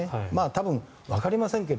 多分、わかりませんが。